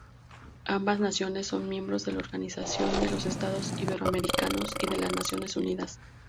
Ambas naciones son miembros del Organización de los Estados Iberoamericanos y las Naciones Unidas.